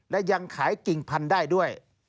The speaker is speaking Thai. และยังขายกิ่งพันธุ์ได้ด้วย